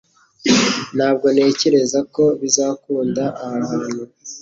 Ntabwo ntekereza ko bizakunda aha hantu